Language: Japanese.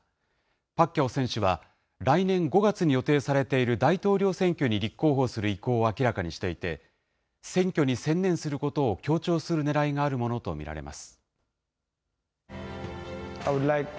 パッキャオ選手は、来年５月に予定されている大統領選挙に立候補する意向を明らかにしていて、選挙に専念することを強調するねらいがあるものと見られます。